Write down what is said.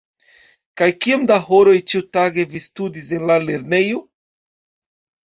Kaj kiom da horoj ĉiutage vi studis en la lernejo?